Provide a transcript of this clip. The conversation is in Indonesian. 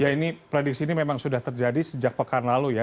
ya ini prediksi ini memang sudah terjadi sejak pekan lalu ya